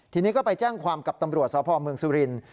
ทีนี้ก็ไปแจ้งความกับตำรวจสพเมืองสุรินทร์